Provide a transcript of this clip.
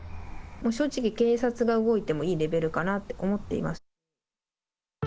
正直、警察が動いてもいいレベルかなって思っています。